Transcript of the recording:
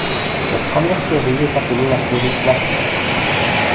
Cette première série est appelée la série classique.